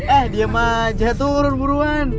eh diam aja turun buruan